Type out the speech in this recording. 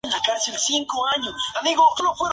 no, escucha. la he jodido.